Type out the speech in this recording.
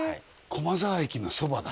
駒沢駅のそばだ